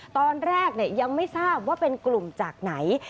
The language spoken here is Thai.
ตอนแรกยังไม่ทราบว่าเป็นกลุ่มจากไหน